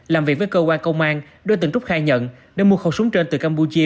làm việc với cơ quan công an đối tượng trúc khai nhận đã mua khẩu súng trên từ campuchia